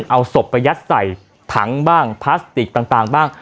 เอาศพไปยัดใส่ถังบ้างพลาสติกต่างบ้าง